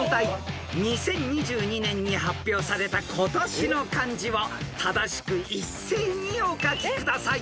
［２０２２年に発表された今年の漢字を正しく一斉にお書きください］